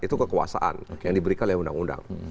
itu kekuasaan yang diberikan oleh undang undang